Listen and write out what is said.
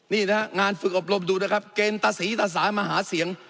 นี่นะครับงานฝึกอบรมดูนะครับเกณฑ์ตะศรีตาสายมาหาเสียง